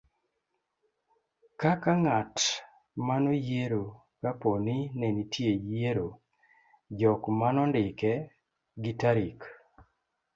kaka ngat manoyiero ka po ni nenitie yiero, jok manondike gi tarik